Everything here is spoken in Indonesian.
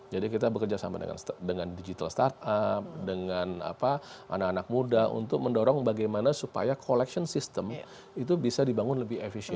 jadi kita bekerja sama dengan digital startup dengan anak anak muda untuk mendorong bagaimana supaya collection system itu bisa dibangun lebih efisien